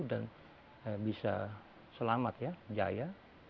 dan bisa selamat ya jaya